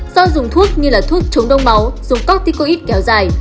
do dùng thuốc như là thuốc chống đông máu dùng corticoid kéo dài